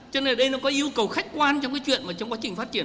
cho nên ở đây nó có yêu cầu khách quan trong cái chuyện mà trong quá trình phát triển